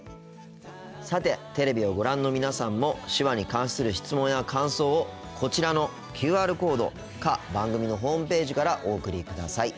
さてテレビをご覧の皆さんも手話に関する質問や感想をこちらのＱＲコードか番組のホームページからお送りください。